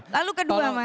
lalu kedua mas